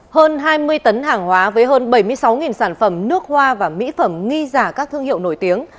hơn hai mươi tấn hàng hóa với hơn bảy mươi sáu sản phẩm nước hoa và mỹ phẩm nghi giả các thương hiệu nổi tiếng